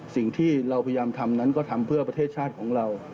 สิ่งที่เราพยายามทำนั้นก็ทำเพื่อประเทศชาติของเรา